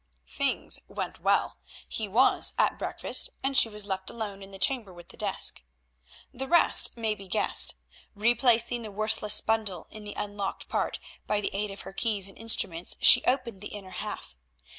Things went well; he was at breakfast and she was left alone in the chamber with the desk. The rest may be guessed. Replacing the worthless bundle in the unlocked part, by the aid of her keys and instruments she opened the inner half.